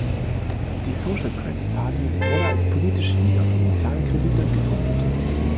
Die Social Credit Party wurde als politische Liga für soziale Kredite gegründet.